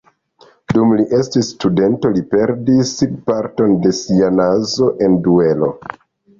Dum li estis studento, li perdis parton de sia nazo en duelo.